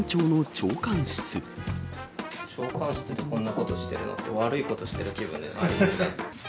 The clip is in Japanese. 長官室でこんなことしてるのって、悪いことしてる気分になりますね。